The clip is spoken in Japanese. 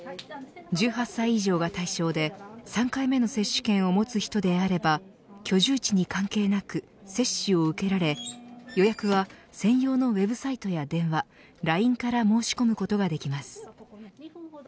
１８歳以上が対象で３回目の接種券を持つ人であれば居住地に関係なく接種を受けられ予約は専用のＷＥＢサイトや電話ＬＩＮＥから申し込むことができます。